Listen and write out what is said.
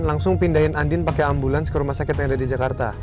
langsung pindahin andin pakai ambulans ke rumah sakit yang ada di jakarta